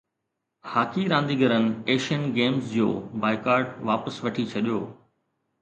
hockey رانديگرن Asian Games جو boycott واپس وٺي ڇڏيو